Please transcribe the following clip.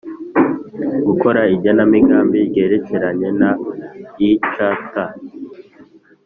gukora igenamigambi ryerekeranye na ict